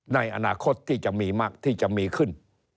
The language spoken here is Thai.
ในอนาคตที่จะมีมากที่จะมีขึ้น